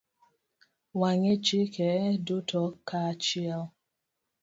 Wang'e chike duto kaachiel.